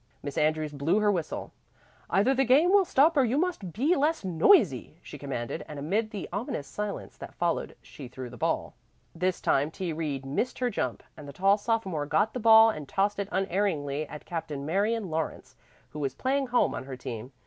Miss Andrews blew her whistle. "Either the game will stop or you must be less noisy," she commanded, and amid the ominous silence that followed she threw the ball. This time T. Reed missed her jump, and the tall sophomore got the ball and tossed it unerringly at Captain Marion Lawrence, who was playing home on her team.